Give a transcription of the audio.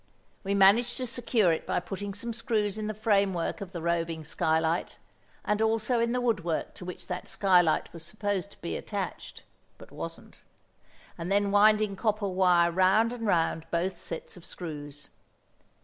We managed to secure it by putting some screws in the framework of the roving skylight, and also in the woodwork to which that skylight was supposed to be attached, but wasn't; and then winding copper wire round and round both sets of screws.